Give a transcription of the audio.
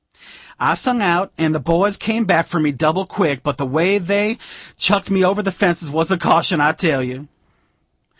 I sung out, and the boys come back for me, double quick; but the way they chucked me over them fences was a caution, I tell you.